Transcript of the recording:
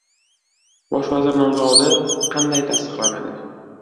Bosh vazir nomzodi qanday tasdiqlanadi?